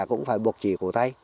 cũng phải buộc chỉ cầu tay